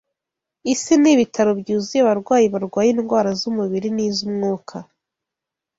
Isi ni ibitaro byuzuye abarwayi barwaye indwara z’umubiri n’iz’umwuka